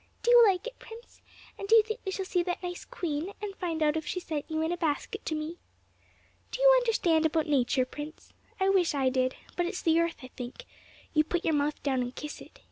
Do you like it, Prince? And do you think we shall see that nice queen, and find out if she sent you in a basket to me? Do you understand about nature, Prince? I wish I did, but it's the earth, I think; you put your mouth down and kiss it.